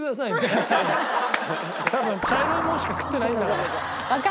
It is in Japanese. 多分茶色いものしか食ってないんだから。